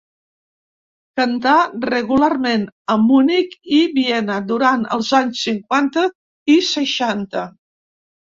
Cantà regularment a Munic i Viena durant els anys cinquanta i seixanta.